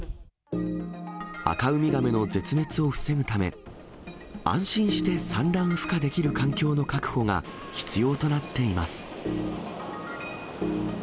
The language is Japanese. アカウミガメの絶滅を防ぐため、安心して産卵、ふ化できる環境の確保が必要となっています。